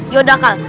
ya udah kal